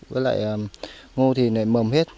với lại ngô thì này mầm hết